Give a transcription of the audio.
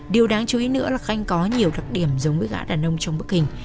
điều đáng chú ý nữa là khanh có nhiều đặc điểm giống với gã đàn nông trong bức hình